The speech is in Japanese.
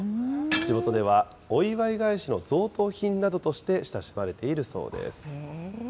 地元ではお祝い返しの贈答品などとして親しまれているそうです。